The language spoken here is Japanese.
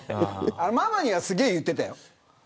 ママにはすごい言ってたよ。